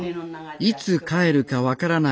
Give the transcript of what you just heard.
いつ帰るか分からない